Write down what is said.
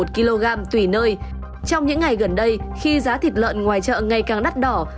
một kg tùy nơi trong những ngày gần đây khi giá thịt lợn ngoài chợ ngày càng đắt đỏ